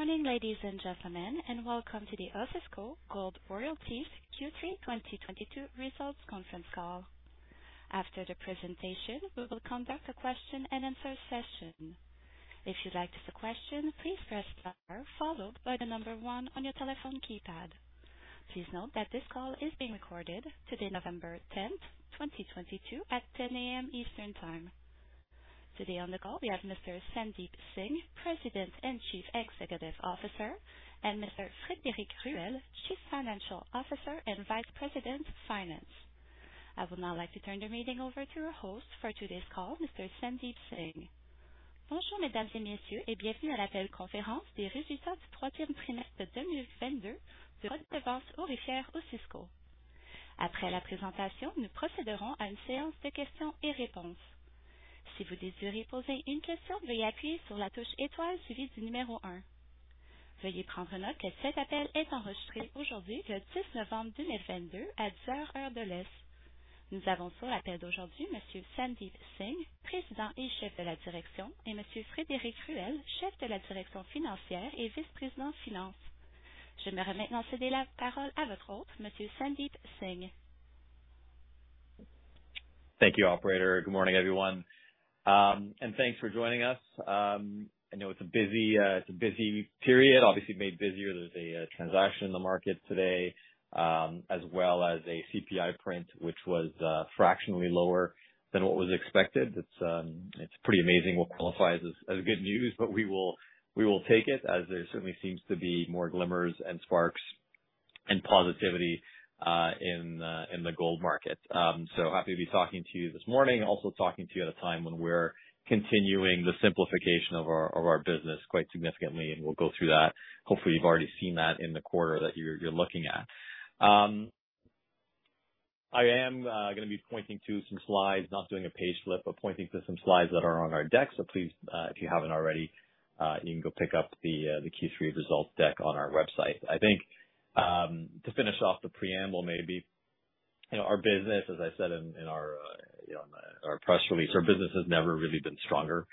Good morning, ladies and gentlemen, and welcome to the Osisko Gold Royalties Q3 2022 results conference call. After the presentation, we will conduct a question-and-answer session. If you'd like to ask a question, please press star followed by the number one on your telephone keypad. Please note that this call is being recorded today, November 10th, 2022, at 10:00 A.M. Eastern Time. Today on the call, we have Mr. Sandeep Singh, President and Chief Executive Officer, and Mr. Frédéric Ruel, Chief Financial Officer and Vice President Finance. I would now like to turn the meeting over to our host for today's call, Mr. Sandeep Singh. Thank you, operator. Good morning, everyone, and thanks for joining us. I know it's a busy period, obviously made busier. There's a transaction in the market today, as well as a CPI print which was fractionally lower than what was expected. It's pretty amazing what qualifies as good news, but we will take it as there certainly seems to be more glimmers and sparks and positivity in the gold market. Happy to be talking to you this morning, also talking to you at a time when we're continuing the simplification of our business quite significantly, and we'll go through that. Hopefully, you've already seen that in the quarter that you're looking at. I am gonna be pointing to some slides, not doing a page flip, but pointing to some slides that are on our deck. Please, if you haven't already, you can go pick up the Q3 results deck on our website. I think, to finish off the preamble, maybe, you know, our business, as I said in our you know, on our press release, our business has never really been stronger.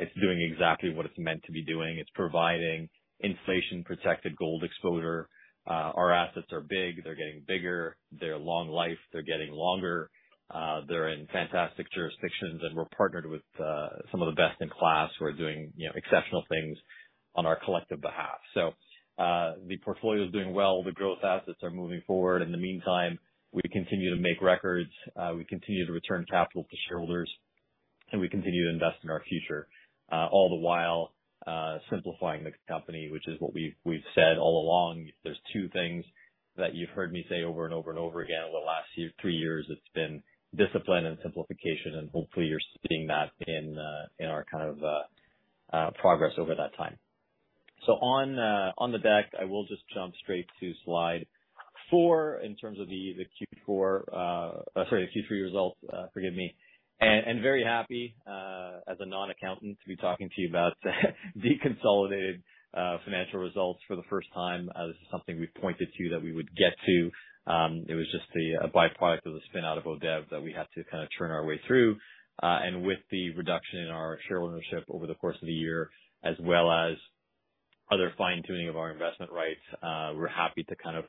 It's doing exactly what it's meant to be doing. It's providing inflation-protected gold exposure. Our assets are big. They're getting bigger. They're long life. They're getting longer. They're in fantastic jurisdictions, and we're partnered with some of the best in class who are doing, you know, exceptional things on our collective behalf. The portfolio is doing well. The growth assets are moving forward. In the meantime, we continue to make records, we continue to return capital to shareholders, and we continue to invest in our future, all the while simplifying the company, which is what we've said all along. If there's two things that you've heard me say over and over and over again over the last three years, it's been discipline and simplification, and hopefully you're seeing that in our kind of progress over that time. On the deck, I will just jump straight to slide four in terms of the Q4, sorry, the Q3 results, forgive me. Very happy, as a non-accountant to be talking to you about the consolidated financial results for the first time, this is something we pointed to that we would get to. It was just a byproduct of the spin out of ODev that we had to kind of churn our way through. With the reduction in our share ownership over the course of the year, as well as other fine-tuning of our investment rights, we're happy to kind of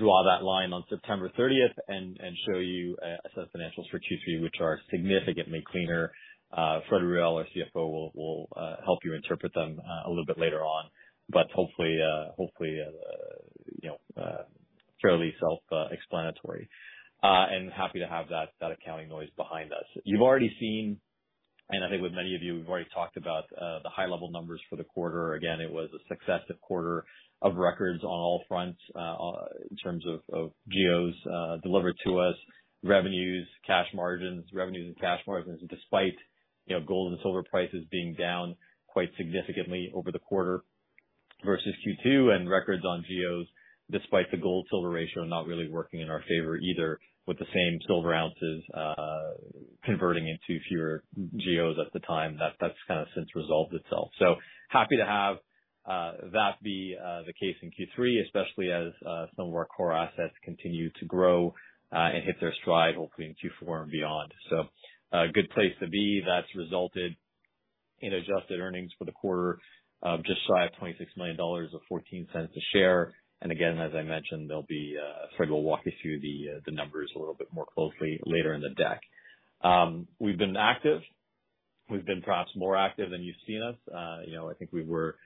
draw that line on September 30th and show you a set of financials for Q3, which are significantly cleaner. Frédéric Ruel, our CFO, will help you interpret them a little bit later on, but hopefully, you know, fairly self-explanatory. Happy to have that accounting noise behind us. You've already seen, and I think with many of you, we've already talked about the high level numbers for the quarter. Again, it was a successive quarter of records on all fronts, in terms of GEOs delivered to us, revenues, cash margins, revenues and cash margins, despite, you know, gold and silver prices being down quite significantly over the quarter versus Q2. Records on GEOs, despite the gold-silver ratio not really working in our favor either, with the same silver ounces converting into fewer GEOs at the time. That's kind of since resolved itself. Happy to have that be the case in Q3, especially as some of our core assets continue to grow and hit their stride, hopefully in Q4 and beyond. A good place to be that's resulted in adjusted earnings for the quarter of just shy of 26 million dollars or 0.14 a share. Again, as I mentioned, there'll be, Frédéric will walk you through the numbers a little bit more closely later in the deck. We've been active. We've been perhaps more active than you've seen us. You know, I think we were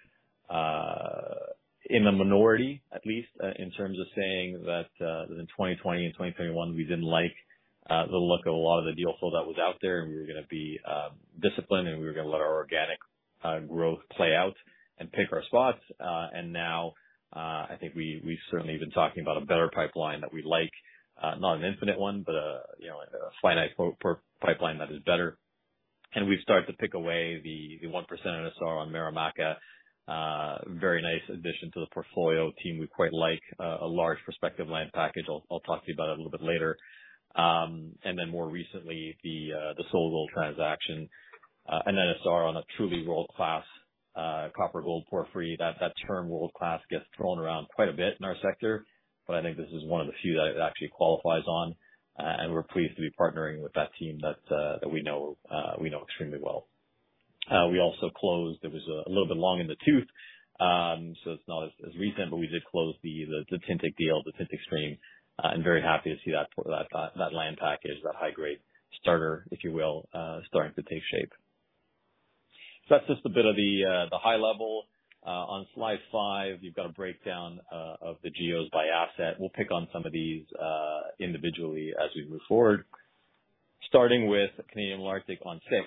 in the minority, at least, in terms of saying that that in 2020 and 2021 we didn't like the look of a lot of the deal flow that was out there, and we were gonna be disciplined, and we were gonna let our organic growth play out and pick our spots. Now, I think we've certainly been talking about a better pipeline that we like, not an infinite one, but a, you know, a finite pipeline that is better. We've started to pick away the 1% NSR on Marimaca. Very nice addition to the portfolio that we quite like, a large prospective land package. I'll talk to you about it a little bit later. More recently, the SolGold transaction, an NSR on a truly world-class copper-gold porphyry. That term world-class gets thrown around quite a bit in our sector, but I think this is one of the few that it actually qualifies on. We're pleased to be partnering with that team that we know extremely well. We also closed. It was a little bit long in the tooth, so it's not as recent, but we did close the Tintic deal, the Tintic stream. I'm very happy to see that land package, that high grade starter, if you will, starting to take shape. That's just a bit of the high level. On slide five, you've got a breakdown of the GEOs by asset. We'll pick on some of these individually as we move forward. Starting with Canadian Malartic on six,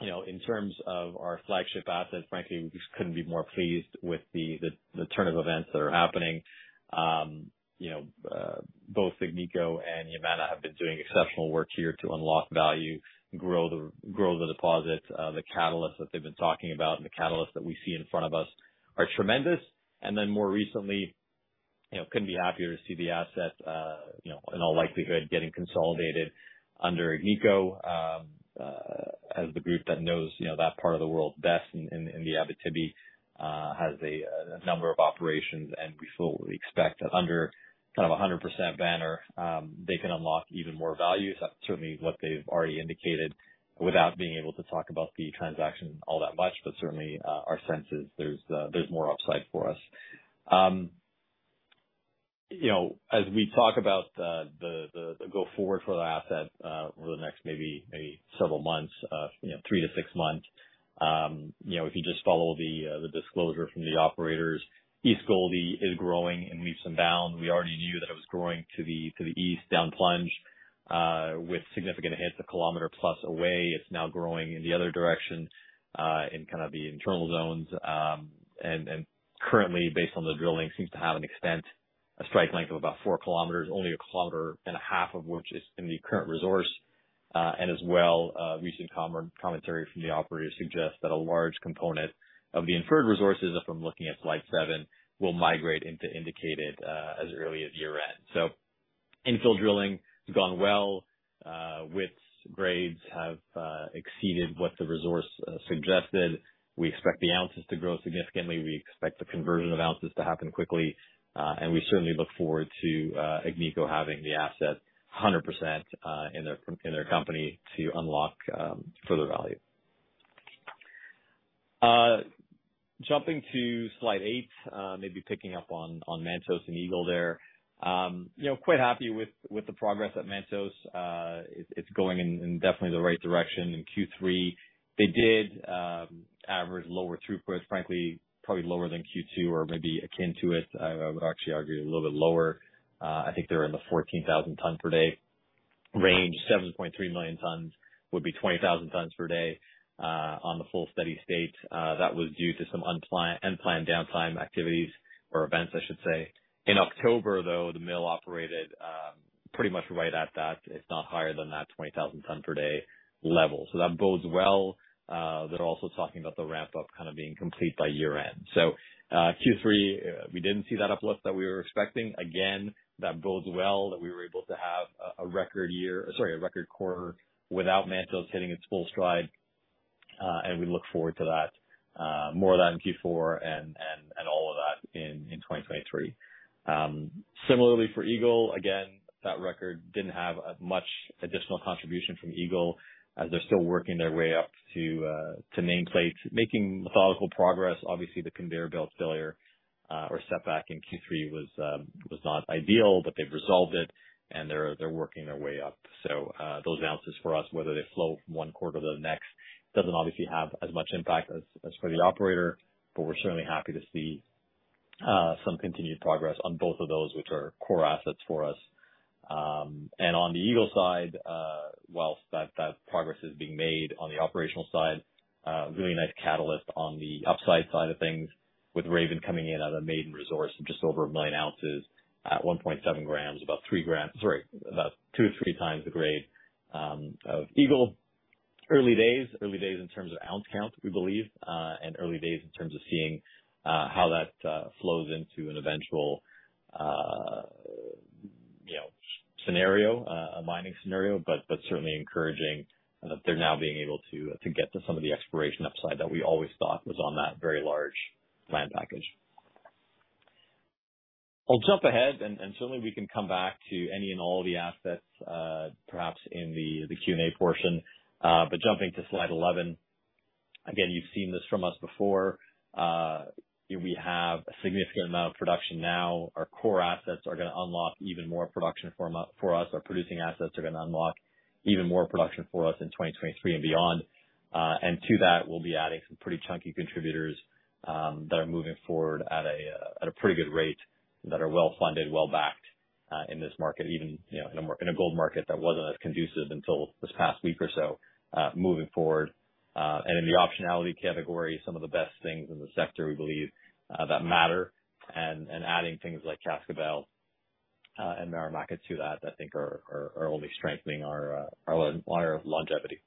you know, in terms of our flagship assets, frankly, we just couldn't be more pleased with the turn of events that are happening. You know, both Agnico and Yamana have been doing exceptional work here to unlock value, grow the deposits. The catalysts that they've been talking about and the catalysts that we see in front of us are tremendous. More recently, you know, couldn't be happier to see the asset, you know, in all likelihood, getting consolidated under Agnico, as the group that knows, you know, that part of the world best in the Abitibi, has a number of operations, and we fully expect under kind of a 100% banner, they can unlock even more value. That's certainly what they've already indicated without being able to talk about the transaction all that much, but certainly, our sense is there's more upside for us. You know, as we talk about the go forward for that asset, over the next maybe several months, you know, three to six months, you know, if you just follow the disclosure from the operators, East Gouldie is growing in leaps and bounds. We already knew that it was growing to the east down plunge, with significant hits a kilometer plus away. It's now growing in the other direction, in kind of the internal zones, and currently based on the drilling, seems to have an extent, a strike length of about 4 km, only 1.5 km of which is in the current resource. As well, recent commentary from the operators suggest that a large component of the inferred resources, if I'm looking at slide seven, will migrate into indicated, as early as year-end. Infill drilling has gone well. Widths, grades have exceeded what the resource suggested. We expect the ounces to grow significantly. We expect the conversion of ounces to happen quickly, and we certainly look forward to Agnico having the asset 100% in their company to unlock further value. Jumping to slide eight, maybe picking up on Mantos and Eagle there. You know, quite happy with the progress at Mantos. It's going indeed definitely the right direction. In Q3, they did average lower throughput, frankly, probably lower than Q2 or maybe akin to it. I would actually argue a little bit lower. I think they're in the 14,000 ton per day range. 7.3 million tons would be 20,000 tons per day on the full steady state. That was due to some unplanned downtime activities or events, I should say. In October, though, the mill operated pretty much right at that, if not higher than that 20,000 ton per day level. That bodes well. They're also talking about the ramp-up kind of being complete by year-end. Q3, we didn't see that uplift that we were expecting. Again, that bodes well that we were able to have a record quarter without Mantos hitting its full stride. We look forward to that, more of that in Q4 and all of that in 2023. Similarly for Eagle, again, that record didn't have as much additional contribution from Eagle as they're still working their way up to nameplate, making methodical progress. Obviously, the conveyor belt failure or setback in Q3 was not ideal, but they've resolved it and they're working their way up. Those ounces for us, whether they flow from one quarter to the next, doesn't obviously have as much impact as for the operator, but we're certainly happy to see some continued progress on both of those, which are core assets for us. On the Eagle side, while that progress is being made on the operational side, really nice catalyst on the upside side of things with Raven coming in at a maiden resource of just over 1 million ounces at 1.7 grams, about 2x-3x the grade of Eagle. Early days in terms of ounce count, we believe, and early days in terms of seeing how that flows into an eventual, you know, scenario, a mining scenario, but certainly encouraging that they're now being able to get to some of the exploration upside that we always thought was on that very large land package. I'll jump ahead and certainly we can come back to any and all of the assets, perhaps in the Q&A portion. Jumping to slide 11, again, you've seen this from us before. We have a significant amount of production now. Our core assets are gonna unlock even more production for us. Our producing assets are gonna unlock even more production for us in 2023 and beyond. To that, we'll be adding some pretty chunky contributors that are moving forward at a pretty good rate, that are well-funded, well-backed in this market, even, you know, in a gold market that wasn't as conducive until this past week or so, moving forward. In the optionality category, some of the best things in the sector we believe that matter and adding things like Cascabel and Marimaca to that I think are only strengthening our longevity.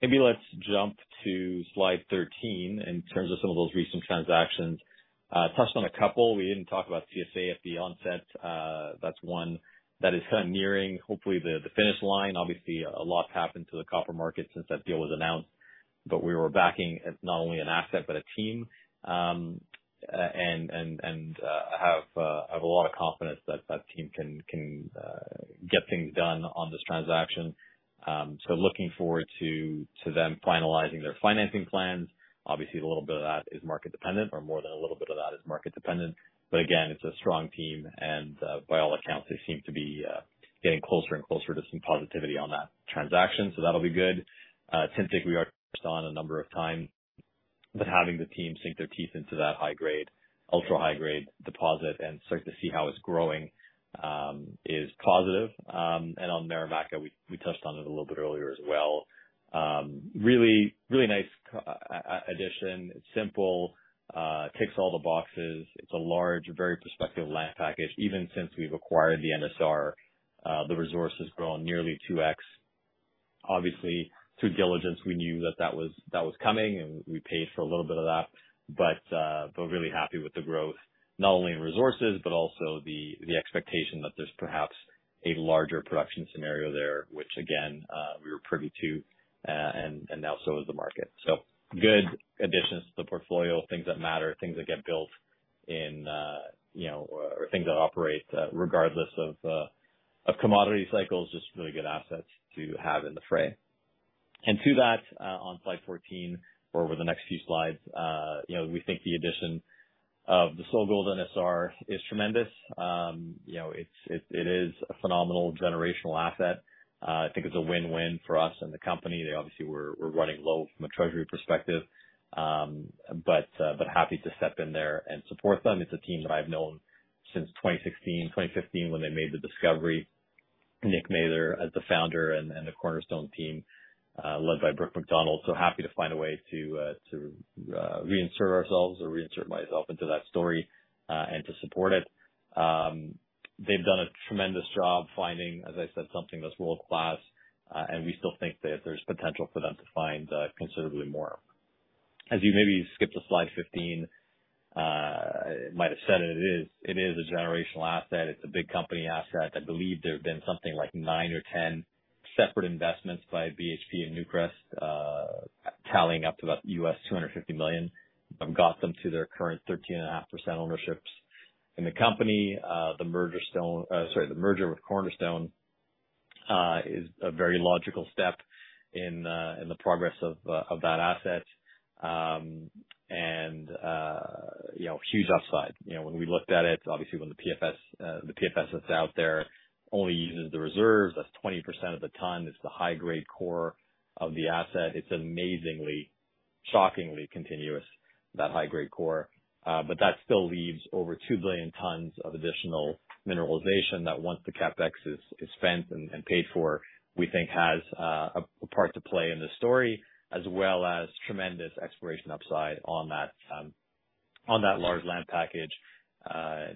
Maybe let's jump to slide 13 in terms of some of those recent transactions. Touched on a couple. We didn't talk about CSA at the onset. That's one that is kind of nearing, hopefully, the finish line. Obviously, a lot's happened to the copper market since that deal was announced. We were backing not only an asset but a team and have a lot of confidence that that team can get things done on this transaction. Looking forward to them finalizing their financing plans. Obviously, a little bit of that is market dependent, or more than a little bit of that is market dependent. Again, it's a strong team, and by all accounts, they seem to be getting closer and closer to some positivity on that transaction. That'll be good. Tintic, we've touched on a number of times, but having the team sink their teeth into that high-grade, ultra-high-grade deposit and start to see how it's growing is positive. On Marimaca, we touched on it a little bit earlier as well. Really nice addition. It's simple, ticks all the boxes. It's a large, very prospective land package. Even since we've acquired the NSR, the resource has grown nearly 2x. Obviously, through diligence we knew that was coming, and we paid for a little bit of that. Really happy with the growth, not only in resources, but also the expectation that there's perhaps a larger production scenario there, which again, we were privy to, and now so is the market. Good additions to the portfolio, things that matter, things that get built in, you know, or things that operate, regardless of commodity cycles, just really good assets to have in the fray. To that, on slide 14 or over the next few slides, you know, we think the addition of the SolGold NSR is tremendous. You know, it is a phenomenal generational asset. I think it's a win-win for us and the company. They obviously were running low from a treasury perspective, but happy to step in there and support them. It's a team that I've known since 2016, 2015 when they made the discovery. Nick Mather as the Founder and the Cornerstone team, led by Brooke Macdonald. Happy to find a way to reinsert ourselves or reinsert myself into that story, and to support it. They've done a tremendous job finding, as I said, something that's world-class, and we still think that there's potential for them to find considerably more. As you maybe skip to slide 15, I might have said it is a generational asset. It's a big company asset. I believe there have been something like nine or 10 separate investments by BHP and Newcrest, tallying up to about 250 million, have got them to their current 13.5% ownerships in the company. The merger with Cornerstone is a very logical step in the progress of that asset. You know, huge upside. You know, when we looked at it, obviously, the PFS that's out there only uses the reserves. That's 20% of the ton. It's the high grade core of the asset. It's amazingly, shockingly continuous, that high grade core. But that still leaves over 2 billion tons of additional mineralization that once the CapEx is spent and paid for, we think has a part to play in this story, as well as tremendous exploration upside on that large land package.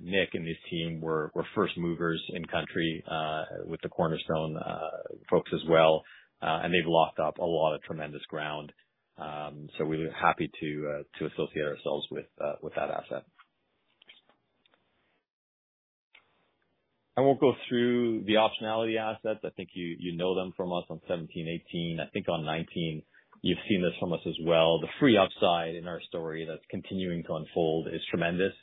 Nick and his team were first movers in country with the Cornerstone folks as well, and they've locked up a lot of tremendous ground. We're happy to associate ourselves with that asset. I won't go through the optionality assets. I think you know them from us on 2017, 2018. I think on 2019 you've seen this from us as well. The free upside in our story that's continuing to unfold is tremendous.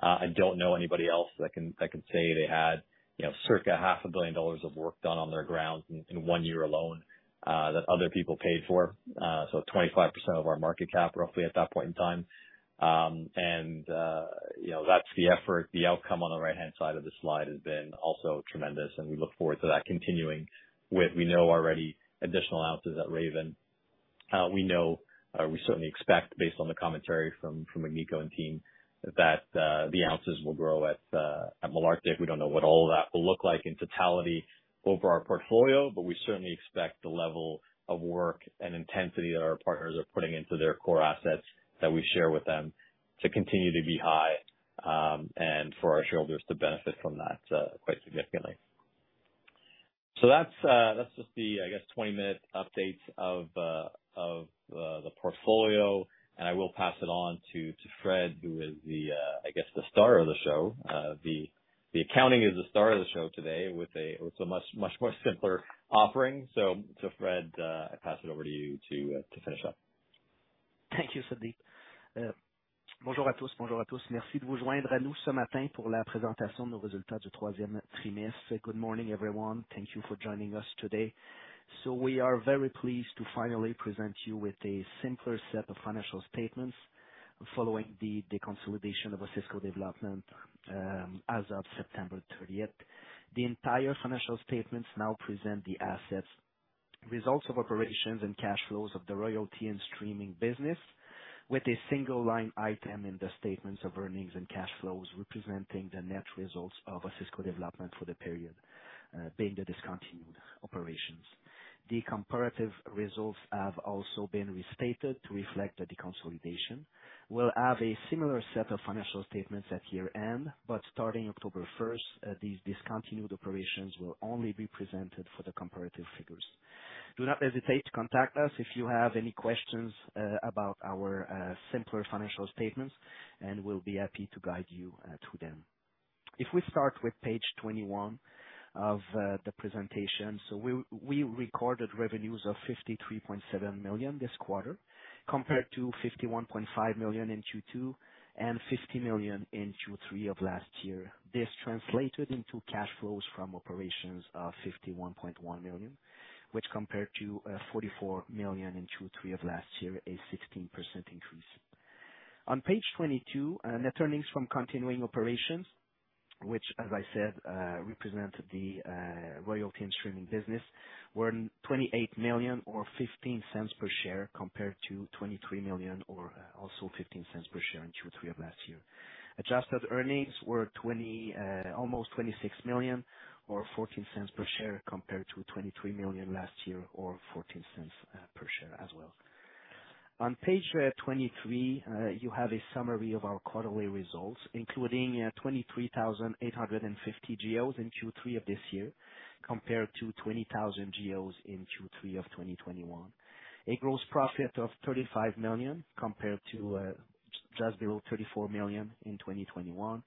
I don't know anybody else that can say they had, you know, circa 500 million dollars of work done on their ground in one year alone, that other people paid for. 25% of our market cap roughly at that point in time. You know, that's the effort. The outcome on the right-hand side of this slide has been also tremendous, and we look forward to that continuing with we know already additional ounces at Raven. We know, we certainly expect based on the commentary from Agnico and team that the ounces will grow at Malartic. We don't know what all of that will look like in totality over our portfolio, but we certainly expect the level of work and intensity that our partners are putting into their core assets that we share with them to continue to be high, and for our shareholders to benefit from that quite significantly. That's just the 20-minute update of the portfolio. I will pass it on to Fred, who is the star of the show. The accounting is the star of the show today with a much more simpler offering. Fred, I pass it over to you to finish up. Thank you, Sandeep. Bonjour à tous. Merci de vous joindre à nous ce matin pour la présentation de nos résultats du troisième trimestre. Good morning, everyone. Thank you for joining us today. We are very pleased to finally present you with a simpler set of financial statements following the consolidation of Osisko Development as of September 30th. The entire financial statements now present the assets, results of operations and cash flows of the royalty and streaming business with a single line item in the statements of earnings and cash flows, representing the net results of Osisko Development for the period, being the discontinued operations. The comparative results have also been restated to reflect the deconsolidation. We'll have a similar set of financial statements at year-end, but starting October 1st, these discontinued operations will only be presented for the comparative figures. Do not hesitate to contact us if you have any questions about our simpler financial statements, and we'll be happy to guide you through them. If we start with page 21 of the presentation. We recorded revenues of 53.7 million this quarter, compared to 51.5 million in Q2, and 50 million in Q3 of last year. This translated into cash flows from operations of 51.1 million, which compared to 44 million in Q3 of last year, a 16% increase. On page 22, net earnings from continuing operations, which as I said represent the royalty and streaming business, were 28 million or 0.15 per share, compared to 23 million or also 0.15 per share in Q3 of last year. Adjusted earnings were almost 26 million or 0.14 per share compared to 23 million last year or 0.14 per share as well. On page 23, you have a summary of our quarterly results, including 23,850 GEOs in Q3 of this year, compared to 20,000 GEOs in Q3 of 2021. A gross profit of 35 million compared to just below 34 million in 2021,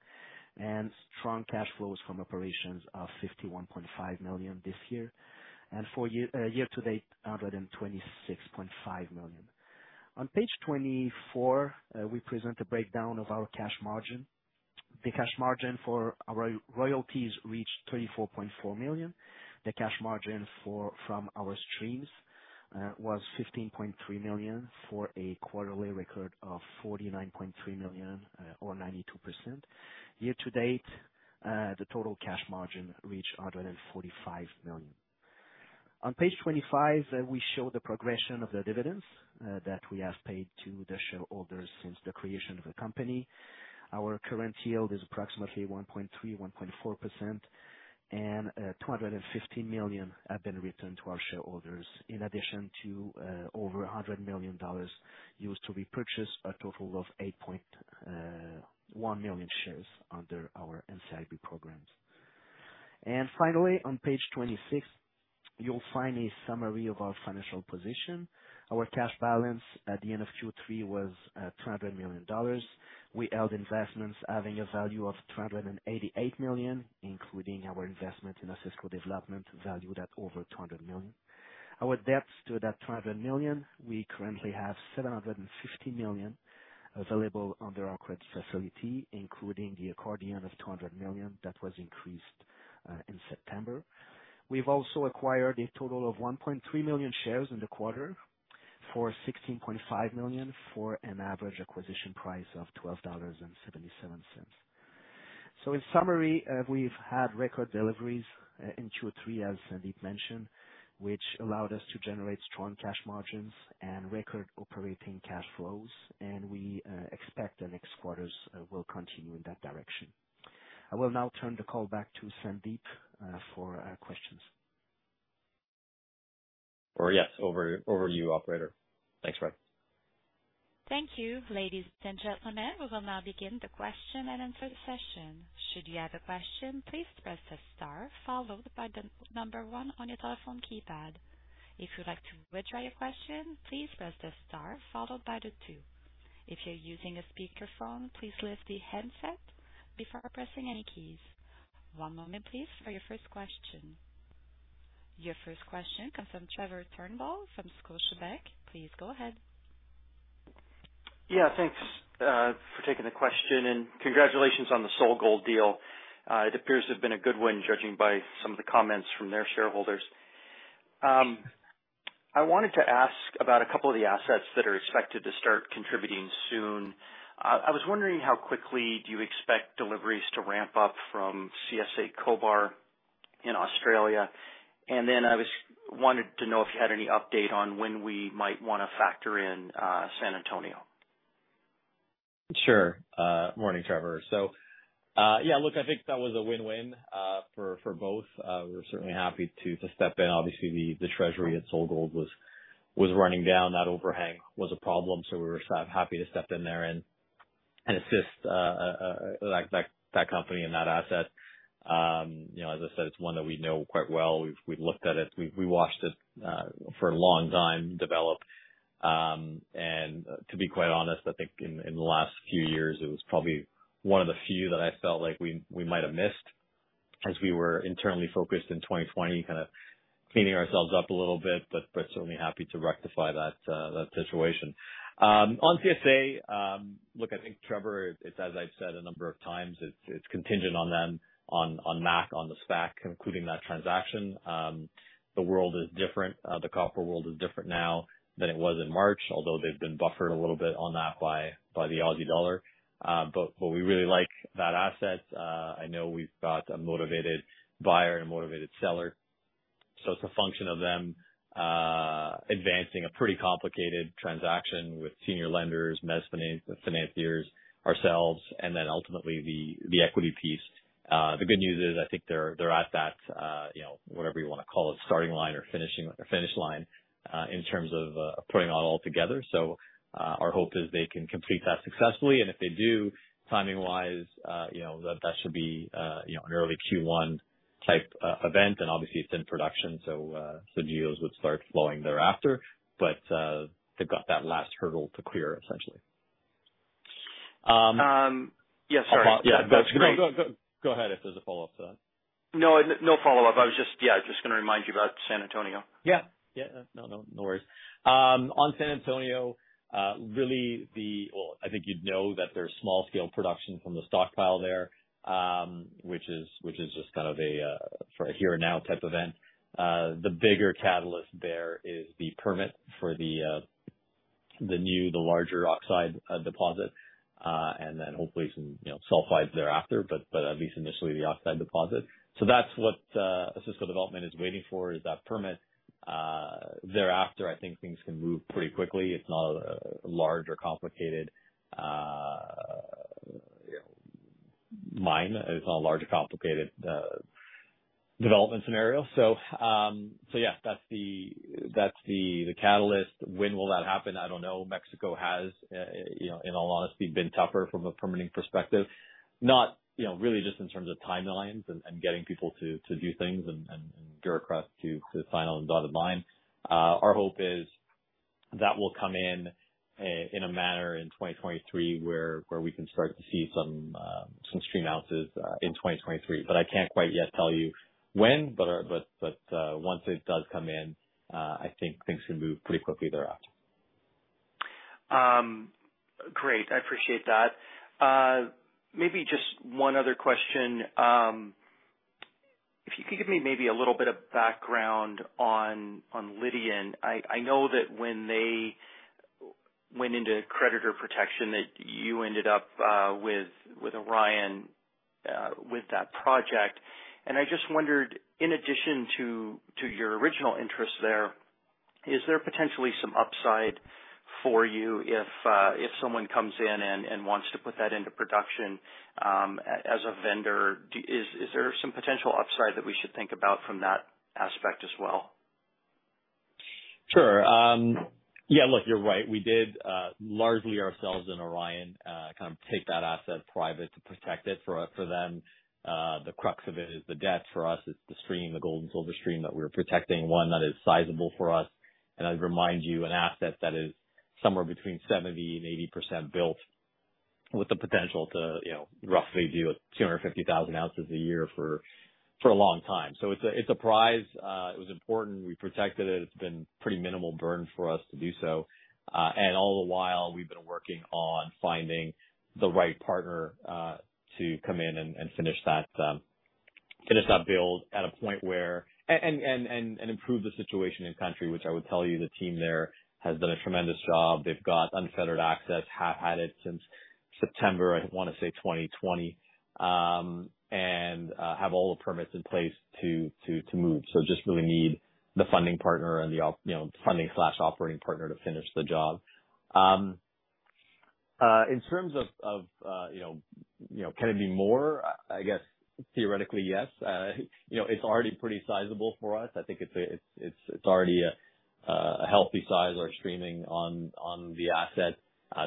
and strong cash flows from operations of 51.5 million this year. For year to date, 126.5 million. On page 24, we present a breakdown of our cash margin. The cash margin for our royalties reached CAD 24.4 million. The cash margin from our streams was 15.3 million for a quarterly record of 49.3 million or 92%. Year to date, the total cash margin reached 145 million. On page 25, we show the progression of the dividends that we have paid to the shareholders since the creation of the company. Our current yield is approximately 1.3%-1.4%. 250 million have been returned to our shareholders, in addition to over 100 million dollars used to repurchase a total of 8.1 million shares under our NCIB programs. Finally, on page 26, you'll find a summary of our financial position. Our cash balance at the end of Q3 was 200 million dollars. We held investments having a value of 288 million, including our investment in Osisko Development, valued at over 200 million. Our debts stood at 200 million. We currently have 750 million available under our credit facility, including the accordion of 200 million that was increased in September. We've also acquired a total of 1.3 million shares in the quarter for 16.5 million for an average acquisition price of 12.77 dollars. In summary, we've had record deliveries in Q3, as Sandeep mentioned, which allowed us to generate strong cash margins and record operating cash flows, and we expect the next quarters will continue in that direction. I will now turn the call back to Sandeep for questions. Yes, over to you, operator. Thanks, Fred. Thank you, ladies and gentlemen. We will now begin the question and answer session. Should you have a question, please press the star followed by the number one on your telephone keypad. If you'd like to withdraw your question, please press the star followed by the two. If you're using a speakerphone, please lift the handset before pressing any keys. One moment please for your first question. Your first question comes from Trevor Turnbull from Scotiabank. Please go ahead. Yeah, thanks for taking the question and congratulations on the SolGold deal. It appears to have been a good win judging by some of the comments from their shareholders. I wanted to ask about a couple of the assets that are expected to start contributing soon. I was wondering how quickly do you expect deliveries to ramp up from CSA Cobar in Australia. Then I wanted to know if you had any update on when we might wanna factor in San Antonio. Sure. Morning, Trevor. Yeah, look, I think that was a win-win for both. We're certainly happy to step in. Obviously, the treasury at SolGold was running down. That overhang was a problem, so we were so happy to step in there and assist like that company and that asset. You know, as I said, it's one that we know quite well. We've looked at it. We watched it for a long time develop, and to be quite honest, I think in the last few years, it was probably one of the few that I felt like we might have missed as we were internally focused in 2020 kind of cleaning ourselves up a little bit, but certainly happy to rectify that situation. On CSA, look, I think Trevor, it's as I've said a number of times, it's contingent on them, on MAC, on the SPAC concluding that transaction. The world is different. The copper world is different now than it was in March, although they've been buffered a little bit on that by the Aussie dollar. We really like that asset. I know we've got a motivated buyer and a motivated seller, so it's a function of them advancing a pretty complicated transaction with senior lenders, mezzanine financiers, ourselves, and then ultimately the equity piece. The good news is I think they're at that, you know, whatever you wanna call it, starting line or finish line, in terms of putting it all together. Our hope is they can complete that successfully, and if they do, timing-wise, you know, that should be, you know, an early Q1-type event, and obviously it's in production, so GEOs would start flowing thereafter. They've got that last hurdle to clear, essentially. Yes, sorry. Yeah, go ahead, if there's a follow-up to that. No, no follow-up. I was just, yeah, just gonna remind you about San Antonio. Yeah. No worries. On San Antonio, I think you'd know that there's small scale production from the stockpile there, which is just kind of a for a here and now type event. The bigger catalyst there is the permit for the new, the larger oxide deposit. Then hopefully some, you know, sulfides thereafter. But at least initially the oxide deposit. So that's what Osisko Development is waiting for, is that permit. Thereafter, I think things can move pretty quickly. It's not a large or complicated, you know, mine. It's not a large or complicated development scenario. So yeah, that's the catalyst. When will that happen? I don't know. Mexico has, you know, in all honesty, been tougher from a permitting perspective. Not, you know, really just in terms of timelines and getting people to do things and bureaucrats to sign on the dotted line. Our hope is that will come in in a manner in 2023 where we can start to see some stream ounces in 2023. I can't quite yet tell you when, but once it does come in, I think things can move pretty quickly thereafter. Great. I appreciate that. Maybe just one other question. If you could give me maybe a little bit of background on Lydian. I know that when they went into creditor protection, that you ended up with Orion with that project. I just wondered, in addition to your original interest there, is there potentially some upside for you if someone comes in and wants to put that into production, as a vendor? Is there some potential upside that we should think about from that aspect as well? Sure. Yeah, look, you're right. We did largely ourselves and Orion kind of take that asset private to protect it for them. The crux of it is the debt. For us, it's the stream, the gold and silver stream that we're protecting, one that is sizable for us. I'd remind you, an asset that is somewhere between 70%-80% built with the potential to, you know, roughly do 250,000 ounces a year for a long time. It's a prize. It was important. We protected it. It's been pretty minimal burn for us to do so. All the while we've been working on finding the right partner to come in and finish that build at a point where... Improve the situation in country, which I would tell you, the team there has done a tremendous job. They've got unfettered access. Had it since September, I wanna say, 2020. Have all the permits in place to move. Just really need the funding partner and the op... You know, funding/operating partner to finish the job. In terms of, you know, can it be more? I guess theoretically, yes. You know, it's already pretty sizable for us. I think it's already a healthy size. We're streaming on the asset,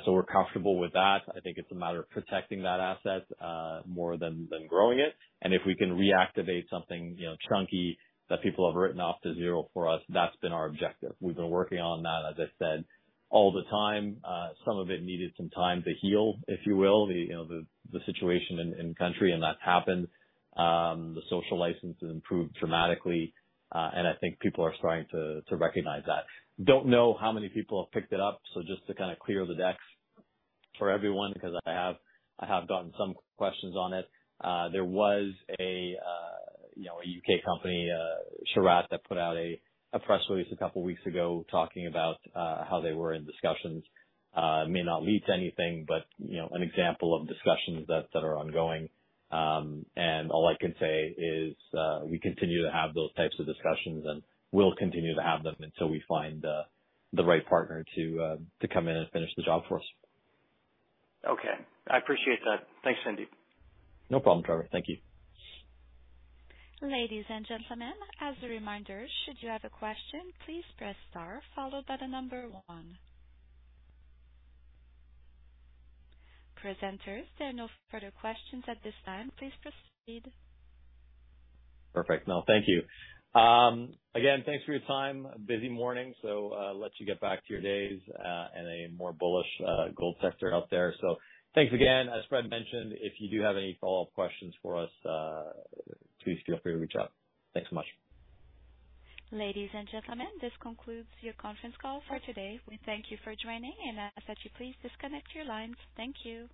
so we're comfortable with that. I think it's a matter of protecting that asset, more than growing it. If we can reactivate something, you know, chunky that people have written off to zero for us, that's been our objective. We've been working on that, as I said, all the time. Some of it needed some time to heal, if you will. You know, the situation in country and that's happened. The social license has improved dramatically. I think people are starting to recognize that. Don't know how many people have picked it up, so just to kind of clear the decks for everyone, because I have gotten some questions on it. There was a U.K. company, Chaarat, that put out a press release a couple weeks ago talking about how they were in discussions. It may not lead to anything, but you know, an example of discussions that are ongoing. All I can say is, we continue to have those types of discussions, and we'll continue to have them until we find the right partner to come in and finish the job for us. Okay, I appreciate that. Thanks, Sandeep. No problem, Trevor. Thank you. Ladies and gentlemen, as a reminder, should you have a question, please press star followed by the number one. Presenters, there are no further questions at this time. Please proceed. Perfect. No, thank you. Again, thanks for your time. Busy morning. Let you get back to your days, and a more bullish gold sector out there. Thanks again. As Fred mentioned, if you do have any follow-up questions for us, please feel free to reach out. Thanks so much. Ladies and gentlemen, this concludes your conference call for today. We thank you for joining and ask that you please disconnect your lines. Thank you.